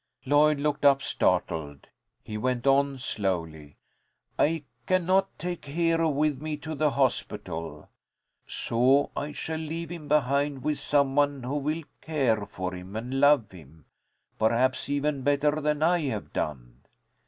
Lloyd looked up, startled. He went on slowly. "I cannot take Hero with me to the hospital, so I shall leave him behind with some one who will care for him and love him, perhaps even better than I have done."